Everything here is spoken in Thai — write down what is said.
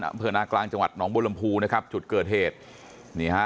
อำเภอนากลางจังหวัดหนองบุรมภูนะครับจุดเกิดเหตุนี่ฮะ